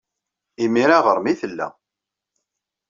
Imir-a, ɣer-m ay tella.